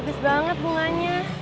bagus banget bunganya